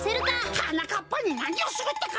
はなかっぱになにをするってか？